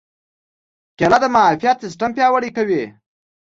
کېله د معافیت سیستم پیاوړی کوي.